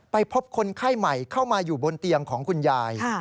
พบคนไข้ใหม่เข้ามาอยู่บนเตียงของคุณยาย